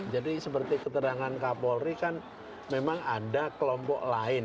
jadi seperti keterangan kapolri kan memang ada kelompok lain